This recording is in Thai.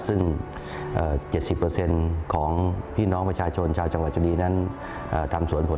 ซึ่ง๗๐ของพี่น้องประชาชนชาวจังหวัดชนบุรีนั้นทำสวนผล